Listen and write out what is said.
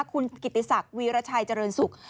คุณกิติศักดิ์วีรชัยเจริญศุกร์